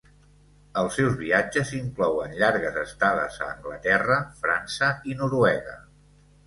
Els seus viatges inclouen llargues estades a Anglaterra, França i Noruega.